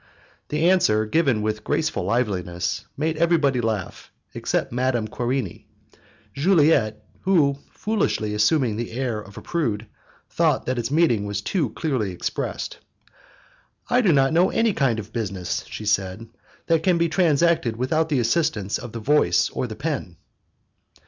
That answer, given with graceful liveliness, made everybody laugh, except Madame Querini Juliette, who, foolishly assuming the air of a prude, thought that its meaning was too clearly expressed. "I do not know any kind of business," she said, "that can be transacted without the assistance of the voice or the pen."